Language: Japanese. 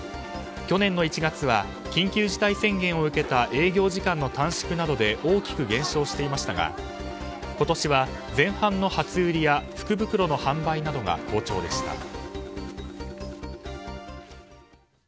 去年の１月は緊急事態宣言を受けた営業時間の短縮などで大きく減少していましたが今年は前半の初売りや福袋の販売などが好調でした。